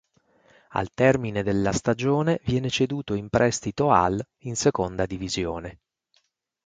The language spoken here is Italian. Al termine della stagione viene ceduto in prestito al in seconda divisione.